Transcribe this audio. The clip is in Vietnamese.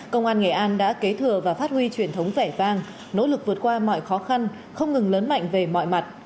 công an nghệ an đã kế thừa và phát huy truyền thống vẻ vang nỗ lực vượt qua mọi khó khăn không ngừng lớn mạnh về mọi mặt